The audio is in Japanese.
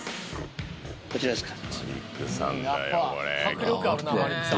こちらですか？